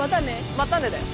またねだよ。